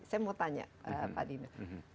saya mau tanya pak dino